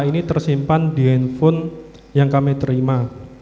ini data ini tersimpan di handphone yang kami terima